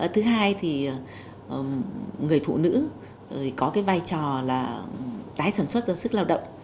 thứ hai thì người phụ nữ có cái vai trò là tái sản xuất ra sức lao động